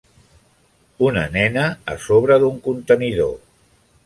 Una nena a sobre d'un contenidor.